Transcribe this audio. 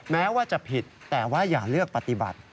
แม้ว่าจะผิดแต่ว่าอย่าเลือกปฏิบัติ